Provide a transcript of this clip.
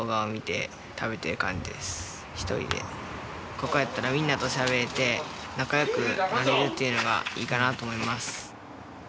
ここやったらみんなとしゃべれて仲良くなれるっていうのがいいかなと思います。